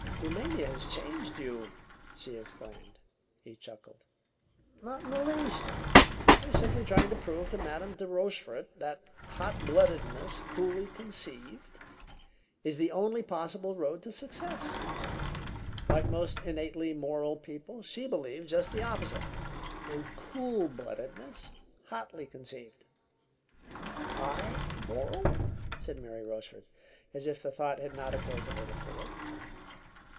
"Roumania has changed you," she exclaimed. He chuckled. "Not in the least! I was simply trying to prove to Madame de Rochefort that hot bloodedness, coolly conceived, is the only possible road to success. Like most innately moral people, she believes just the opposite in cool bloodedness, hotly conceived." "I moral?" said Mary Rochefort, as if the thought had not occurred to her before.